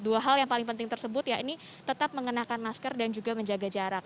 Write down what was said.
dua hal yang paling penting tersebut ya ini tetap mengenakan masker dan juga menjaga jarak